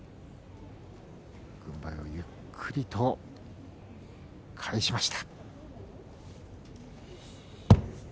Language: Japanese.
軍配をゆっくりと返します。